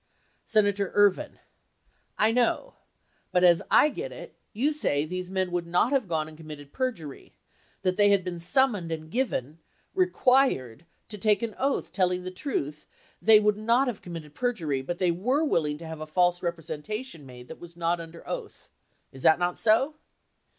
Senator Ervin. I know. But as I get it, you say these men would not have gone and committed perjury. That had they been summoned and given, required to take an oath telling the truth they would not have committed perjury but they were willing to have a false representation made that was not under oath, is that not so